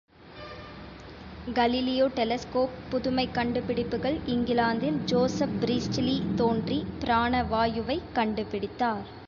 Galileo telescope புதுமைக் கண்டுபிடிப்புகள் இங்கிலாந்தில் ஜோசப் பிரீஸ்டிலி தோன்றி பிராண வாயுவைக் கண்டு பிடித்தார்.